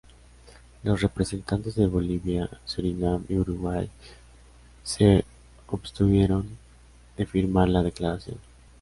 Los representantes de Bolivia, Surinam y Uruguay se abstuvieron de firmar la declaración.